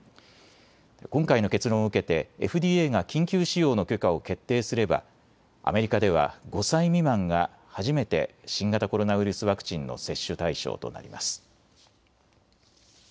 今回の結論を受けてＦＤＡが緊急使用の許可を決定すればアメリカでは５歳未満が初めて新型コロナウイルスワクチンの接種対象となります。